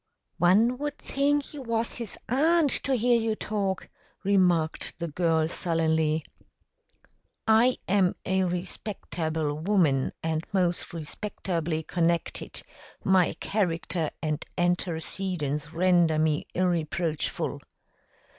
"One would think you was his aunt, to hear you talk," remarked the girl sullenly. "I am a respecterble woman and most respecterbly connected. My character and antercedents render me irrerproachful.